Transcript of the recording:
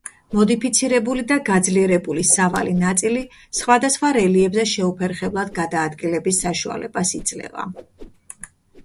მოდიფიცირებული და გაძლიერებული სავალი ნაწილი სხვადასხვა რელიეფზე შეუფერხებლად გადაადგილების საშუალებას იძლევა.